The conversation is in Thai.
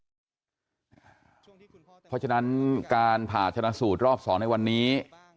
เพราะฉะนั้นการผ่าชนะสูตรรอบ๒ในวันนี้